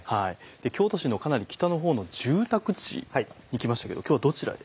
京都市のかなり北の方の住宅地に来ましたけど今日はどちらへ？